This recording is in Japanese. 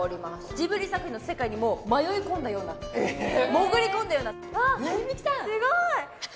ジブリ作品の世界にもう迷い込んだようなええ潜り込んだような弓木さんえっ！？